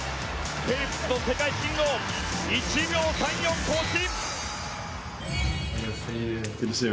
フェルプスの世界新を１秒３４更新！